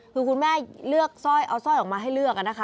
คือคุณแม่เลือกสร้อยเอาสร้อยออกมาให้เลือกนะคะ